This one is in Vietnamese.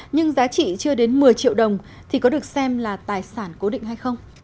nhưng giá trị chưa đến một mươi triệu đồng thì có được xem là tài sản cố định hay không